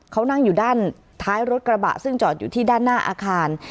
เขานั่งอยู่ด้านท้ายรถกระบะซึ่งจอดอยู่ที่ด้านหน้าอาคาร